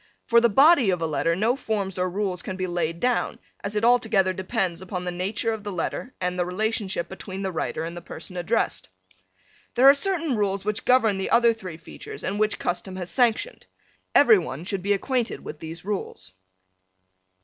For the body of a letter no forms or rules can be laid down as it altogether depends on the nature of the letter and the relationship between the writer and the person addressed. There are certain rules which govern the other three features and which custom has sanctioned. Every one should be acquainted with these rules.